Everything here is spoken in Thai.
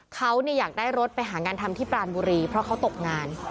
เขาอยากได้รถไปหางานทำที่ปรานบุรีเพราะเขาตกงาน